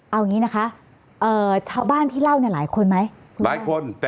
เอานี้นะคะชาวบ้านที่เล่าหลายคนไหม